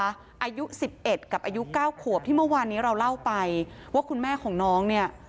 อายุ๑๑กับอายุเก้าขวบที่เมื่อวานนี้เราเล่าไปว่าคุณแม่ของน้องเนี่ย